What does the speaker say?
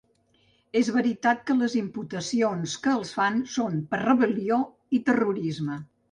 És veritat que les imputacions que els fan són per rebel·lió i terrorisme.